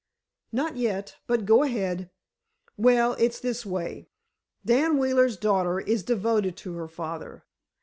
"Not yet, but go ahead." "Well, it's this way. Dan Wheeler's daughter is devoted to her father.